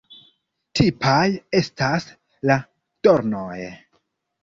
Tipaj estas la dornoj.